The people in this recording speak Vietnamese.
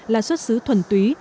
là xuất xứ thuần túy